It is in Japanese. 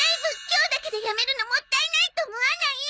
今日だけでやめるのもったいないと思わない？